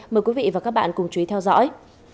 mời quý vị và các bạn cùng chú ý theo dõi